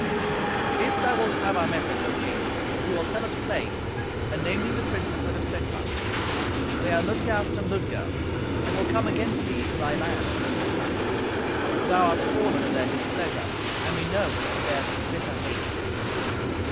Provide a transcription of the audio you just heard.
"If thou wilt have our message, O king, we will tell it plain, and name thee the princes that have sent us. They are Ludgast and Ludger, and will come against thee into they land. Thou are fallen in their displeasure, and we know that they bear thee bitter hate.